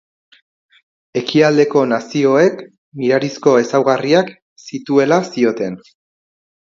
Ekialdeko nazioek, mirarizko ezaugarriak zituela zioten.